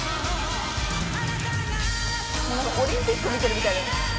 何かオリンピック見てるみたい。